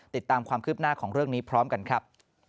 ติดตามความคืบหน้าของเรื่องนี้พร้อมกันครับ